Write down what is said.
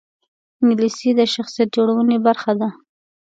انګلیسي د شخصیت جوړونې برخه ده